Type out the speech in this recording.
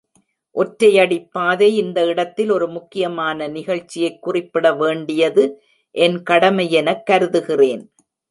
ஒற்றையடிப் பாதை இந்த இடத்தில் ஒரு முக்கியமான நிகழ்ச்சியைக் குறிப்பிட வேண்டியது என் கடமையெனக் கருதுகிறேன்.